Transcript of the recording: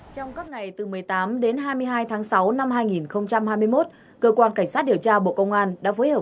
trong các ngày từ một mươi tám đến hai mươi hai tháng sáu năm hai nghìn hai mươi một cơ quan cảnh sát điều tra bộ công an đã phối hợp